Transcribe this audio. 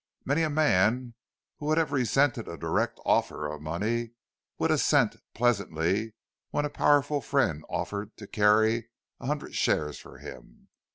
Many a man who would have resented a direct offer of money, would assent pleasantly when a powerful friend offered to "carry a hundred shares for him."